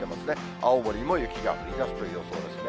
青森が雪が降りだすという予想ですね。